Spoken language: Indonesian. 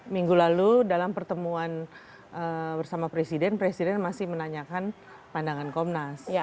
minggu lalu dalam pertemuan bersama presiden presiden masih menanyakan pandangan komnas